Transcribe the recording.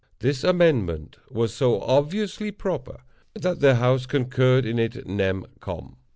This amendment was so obviously proper, that the House concurred in it nem. con.